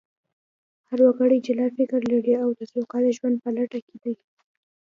هر وګړی جلا فکر لري او د سوکاله ژوند په لټه کې دی